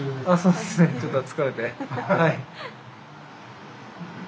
はい。